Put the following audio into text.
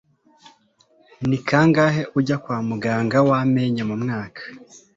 Ni kangahe ujya kwa muganga w'amenyo mu mwaka?